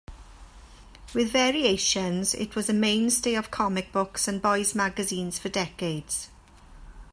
With variations, it was a mainstay of comic books and boys' magazines for decades.